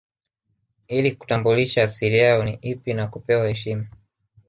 Ili kutambulisha asili yao ni ipi na kupewa heshima